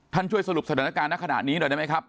ท่านช่วยสรุปสถานการณ์ขณะขนาดนี้หน่อยได้ไหมครับ